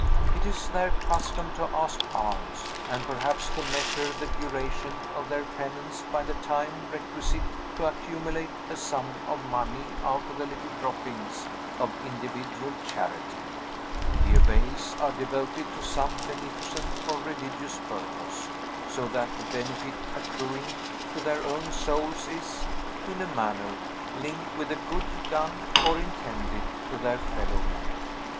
It is their custom to ask alms, and perhaps to measure the duration of their penance by the time requisite to accumulate a sum of money out of the little droppings of individual charity. The avails are devoted to some beneficent or religious purpose; so that the benefit accruing to their own souls is, in a manner, linked with a good done, or intended, to their fellow men.